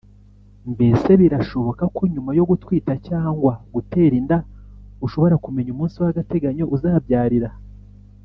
Mbese birashoboka ko nyuma yo gutwita cyangwa gutera inda ushobora kumenya umunsi w’agateganyo uzabyarira